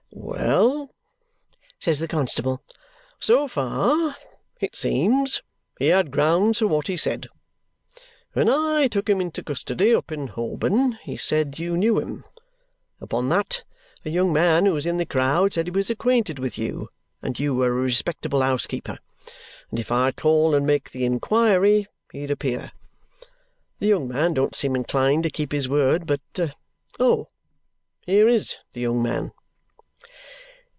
"Well!" says the constable, "so far, it seems, he had grounds for what he said. When I took him into custody up in Holborn, he said you knew him. Upon that, a young man who was in the crowd said he was acquainted with you, and you were a respectable housekeeper, and if I'd call and make the inquiry, he'd appear. The young man don't seem inclined to keep his word, but Oh! Here IS the young man!"